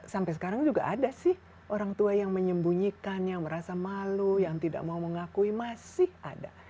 sampai sekarang juga ada sih orang tua yang menyembunyikan yang merasa malu yang tidak mau mengakui masih ada